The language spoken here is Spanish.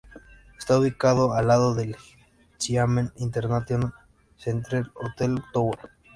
Está ubicado al lado del Xiamen International Centre Hotel Tower.